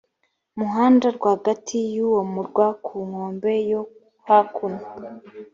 muhanda rwagati w uwo murwa ku nkombe yo hakuno